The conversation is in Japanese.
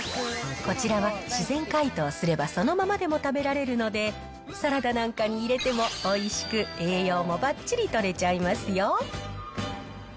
こちらは自然解凍すればそのままでも食べられるので、サラダなんかに入れてもおいしく、栄養もばっちりとれちゃいますよ。